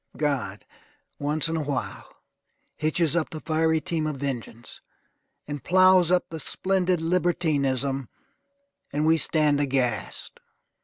God, once in a while, hitches up the fiery team of vengeance, and ploughs up the splendid libertinism, and we stand aghast.